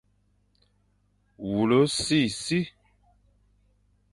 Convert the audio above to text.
Wule sisi,